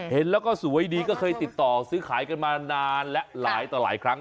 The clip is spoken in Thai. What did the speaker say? เห็นแล้วก็สวยดีก็เคยติดต่อซื้อขายกันมานานและหลายต่อหลายครั้ง